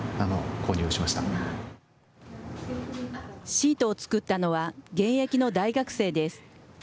シートを作ったのは、現役の大学生です。